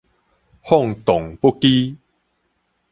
放蕩不羈